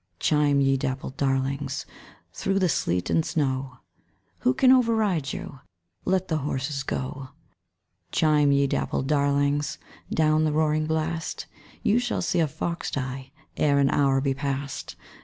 Chime, ye dappled darlings, Through the sleet and snow. Who can over ride you? Let the horses go! Chime, ye dappled darlings, Down the roaring blast; You shall see a fox die Ere an hour be past.